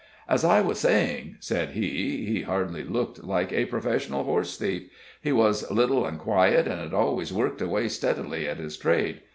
"As I was saying," said he, "he hardly looked like a professional horse thief. He was little and quiet, and had always worked away steadily at his trade.